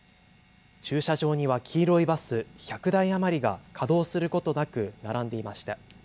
駐車場には黄色いバス１００台余りが稼働することなく並んでいました。